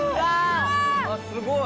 すごい。